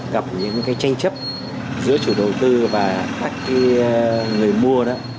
gặp những tranh chấp giữa chủ đầu tư và các người mua